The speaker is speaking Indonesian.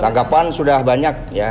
tanggapan sudah banyak ya